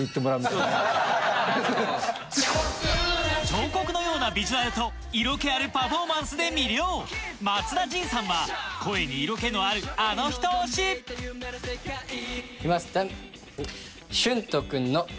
彫刻のようなビジュアルと色気あるパフォーマンスで魅了は声に色気のあるあの人推し行きますジャン！